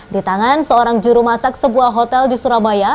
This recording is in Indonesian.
di tangan seorang juru masak sebuah hotel di surabaya